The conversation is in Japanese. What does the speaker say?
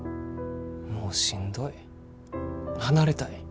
もうしんどい離れたい。